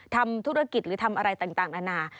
ทำธุรกิจหรือทำอะไรต่างนานา